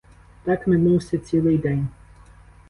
Так минувся цілий день.